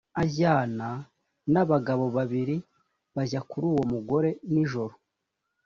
ajyana n abagabo babiri bajya kuri uwo mugore nijoro